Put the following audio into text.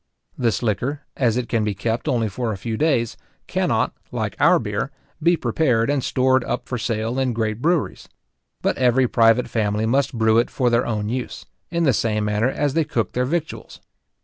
This liquor, as it can be kept only for a few days, cannot, like our beer, be prepared and stored up for sale in great breweries; but every private family must brew it for their own use, in the same manner as they cook their victuals.